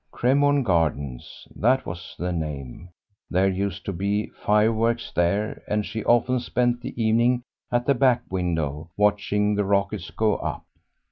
Cremorne Gardens, that was the name; there used to be fire works there, and she often spent the evening at the back window watching the rockets go up.